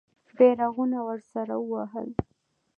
بیرغونه ورسره وهل.